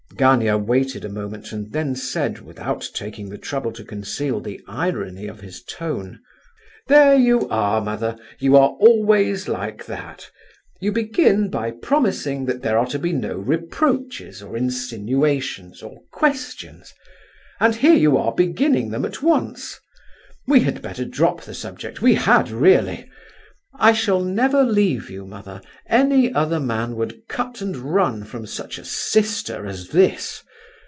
Gania waited a moment and then said, without taking the trouble to conceal the irony of his tone: "There you are, mother, you are always like that. You begin by promising that there are to be no reproaches or insinuations or questions, and here you are beginning them at once. We had better drop the subject—we had, really. I shall never leave you, mother; any other man would cut and run from such a sister as this.